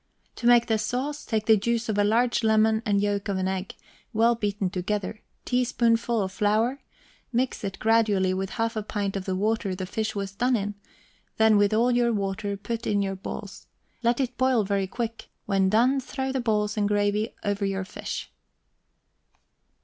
To make the sauce, take the juice of a large lemon and yolk of an egg, well beaten together, teaspoonful of flour; mix it gradually with half a pint of the water the fish was done in, then with all your water put in your balls; let it boil very quick; when done throw the balls and gravy over your fish.